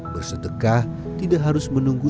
bersedekah tidak harus menunggu